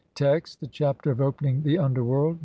Text : (1) The Chapter of opening the underworld.